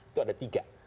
itu ada tiga